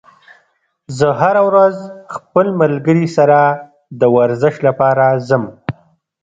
زه هره ورځ خپل ملګري سره د ورزش لپاره ځم